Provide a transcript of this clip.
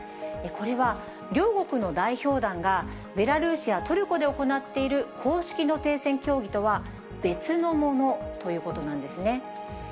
これは両国の代表団が、ベラルーシやトルコで行っている公式の停戦協議とは別のものということなんですね。